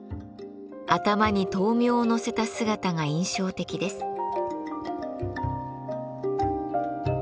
頭に燈明を載せた姿が印象的です。